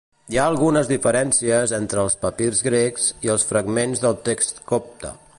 Hi ha algunes diferències entre els papirs grecs i el fragment del text copte.